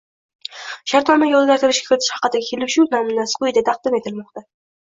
Shartnomaga o‘zgartirish kiritish haqidagi kelishuv namunasi quyida taqdim etilmoqda